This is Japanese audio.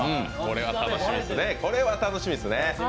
これは楽しみですね。